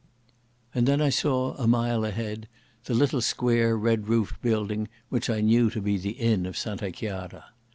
And then I saw, a mile ahead, the little square red roofed building which I knew to be the inn of Santa Chiara.